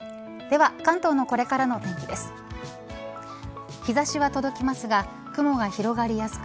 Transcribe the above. では関東のこれからのお天気です。